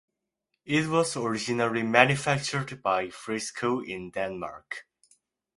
It was originally manufactured by Frisko in Denmark.